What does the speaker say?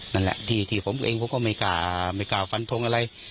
ดั่าและที่ที่ผมเองเขาก็ไม่กล่าวไม่กล่าวฟันทองอะไร